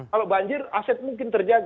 kalau banjir aset mungkin terjaga